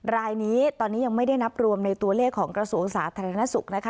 รายนี้ตอนนี้ยังไม่ได้นับรวมในตัวเลขของกระทรวงสาธารณสุขนะคะ